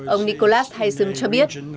ông nicholas heisen cho biết